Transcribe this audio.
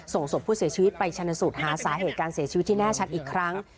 ส่งศพผู้เสียชีวิตไปชนสูตรหาสาเหตุการเสียชีวิตที่แน่ชัดอีกครั้ง